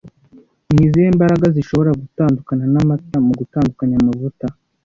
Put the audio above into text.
Ni izihe mbaraga zishobora gutandukana n’amata mu gutandukanya amavuta